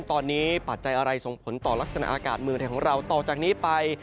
ตอนนี้ปัจจัยอะไรส่งผลต่อลักษณะอากาศเมืองไทยของเราต่อจากนี้ไป